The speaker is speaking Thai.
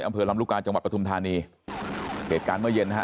อำเภอลำลูกกาจังหวัดปฐุมธานีเหตุการณ์เมื่อเย็นนะฮะ